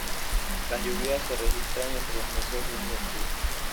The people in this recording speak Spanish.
Las lluvias re registran entre los meses de junio y octubre.